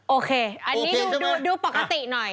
โอเคอันนี้ดูปกติหน่อย